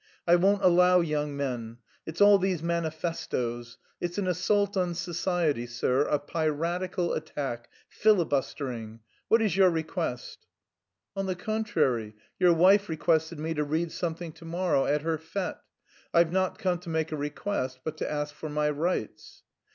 "I won't allow young men! It's all these manifestoes? It's an assault on society, sir, a piratical attack, filibustering.... What is your request?" "On the contrary, your wife requested me to read something to morrow at her fête. I've not come to make a request but to ask for my rights...."